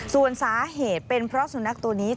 ส่วนสาเหตุเป็นเพราะสุนัขตัวนี้